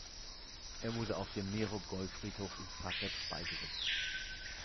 Er wurde auf dem Mirogoj-Friedhof in Zagreb beigesetzt.